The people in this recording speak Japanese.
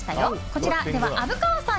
こちら、虻川さん